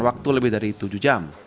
waktu lebih dari tujuh jam